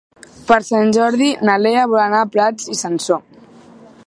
Per Sant Jordi na Lea vol anar a Prats i Sansor.